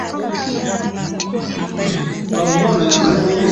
mechi ya kirafiki ambao Wakenya walipoteza kwa mikwaju ya penalti baada ya suluhu ya